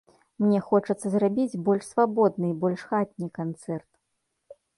Мне хочацца зрабіць больш свабодны і больш хатні канцэрт.